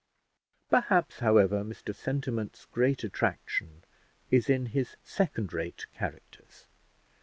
Perhaps, however, Mr Sentiment's great attraction is in his second rate characters.